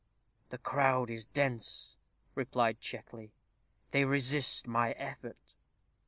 "The crowd is dense," replied Checkley. "They resist my effort."